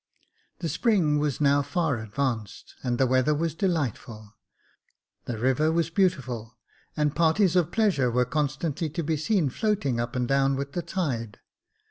The spring was now far advanced, and the weather was delightful. The river was beautiful, and parties of pleasure were constantly to be seen floating up and down with the tide.